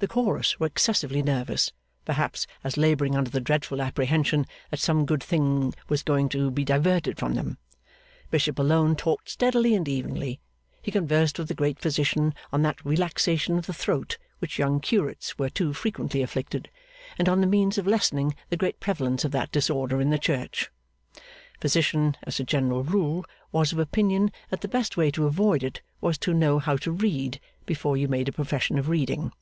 The Chorus were excessively nervous, perhaps as labouring under the dreadful apprehension that some good thing was going to be diverted from them! Bishop alone talked steadily and evenly. He conversed with the great Physician on that relaxation of the throat with which young curates were too frequently afflicted, and on the means of lessening the great prevalence of that disorder in the church. Physician, as a general rule, was of opinion that the best way to avoid it was to know how to read, before you made a profession of reading.